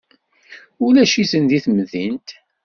Ulac-iten deg temdint.